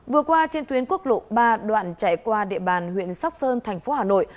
vừa qua trên tuyến quốc lộ ba đoạn chạy qua địa bàn huyện sóc sơn thành phố hà nội